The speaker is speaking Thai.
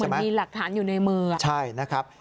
มันมีหลักฐานอยู่ในมือใช่นะครับ